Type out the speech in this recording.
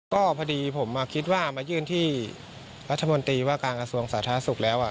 ก็พอดีผมคิดว่ามายื่นที่รัฐมนตรีว่าการกระทรวงสาธารณสุขแล้ว